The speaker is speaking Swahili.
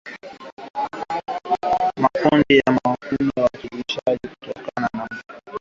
makundi ya wanajihadi yenye uhusiano na al-Qaeda na kundi la dola ya kiislamu